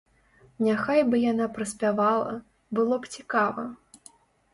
Няхай бы яна праспявала, было б цікава.